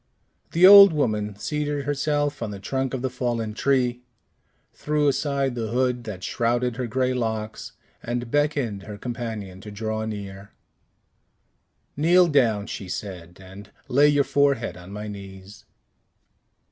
The old woman seated herself on the trunk of the fallen tree, threw aside the hood that shrouded her gray locks, and beckoned her companion to draw near. "Kneel down," she said, "and lay your forehead on my knees."